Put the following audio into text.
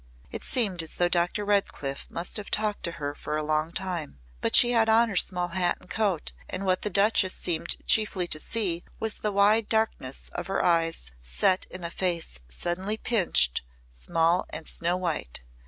It seemed as though Dr. Redcliff must have talked to her for a long time. But she had on her small hat and coat and what the Duchess seemed chiefly to see was the wide darkness of her eyes set in a face suddenly pinched, small and snow white.